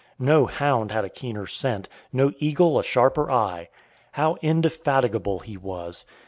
No hound had a keener scent, no eagle a sharper eye. How indefatigable he was!